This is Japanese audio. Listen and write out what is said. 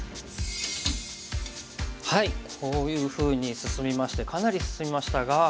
こういうふうに進みましてかなり進みましたが。